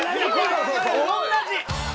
同じ！